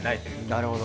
なるほど。